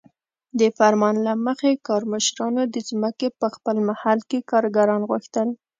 د فرمان له مخې کارمشرانو د ځمکې په خپل محل کې کارګران غوښتل.